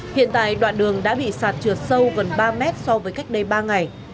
hiện tại đoạn đường đã bị sạt trượt sâu gần ba mét so với cách đây ba ngày